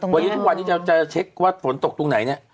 วันนี้ทุกวันนี้เราจะเช็คว่าฝนตกตรงไหนเนี่ย